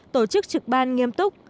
tổ chức trực ban nghiêm túc